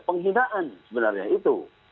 penghinaan sebenarnya itu